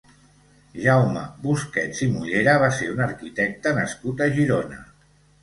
Jaume Busquets i Mollera va ser un arquitecte nascut a Girona.